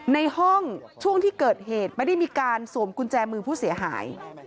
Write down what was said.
ในห้องช่วงที่เกิดเหตุไม่ได้มีการสวมกุญแจมือผู้เสียหาย